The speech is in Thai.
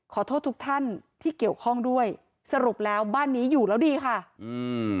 ขอโทษทุกท่านที่เกี่ยวข้องด้วยสรุปแล้วบ้านนี้อยู่แล้วดีค่ะอืม